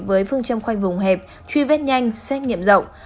với phương châm khoanh vùng hẹp truy vết nhanh xét nghiệm rộng